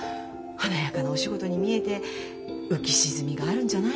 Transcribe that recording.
華やかなお仕事に見えて浮き沈みがあるんじゃないの？